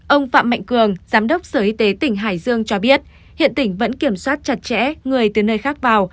ông phạm mạnh cường giám đốc sở y tế tỉnh hải dương cho biết hiện tỉnh vẫn kiểm soát chặt chẽ người từ nơi khác vào